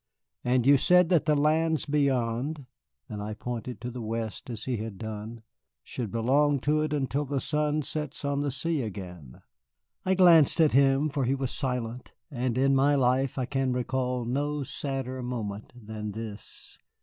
And you said that the lands beyond," and I pointed to the West as he had done, "should belong to it until the sun sets on the sea again." I glanced at him, for he was silent, and in my life I can recall no sadder moment than this.